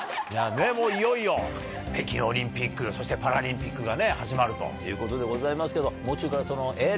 いよいよ北京オリンピックそしてパラリンピックが始まるということでございますけど。